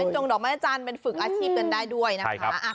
จงดอกมันอาจารย์เป็นฝึกอาชีพกันได้ด้วยนะครับ